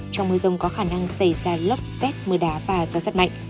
trong mưa rông có khả năng xảy ra lốc xét mưa đá và gió rất mạnh